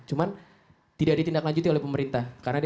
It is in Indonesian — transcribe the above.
cuma tidak ditindak lanjuti oleh pemerintah